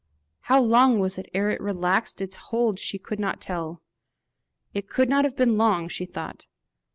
How long it was ere it relaxed its hold she could not tell; it could not have been long, she thought.